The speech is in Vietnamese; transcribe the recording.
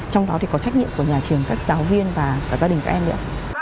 trong đó thì có trách nhiệm của nhà trường các giáo viên và gia đình các em nữa